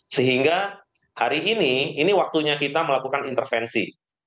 sehingga hari ini ini waktunya kita melakukan intervensi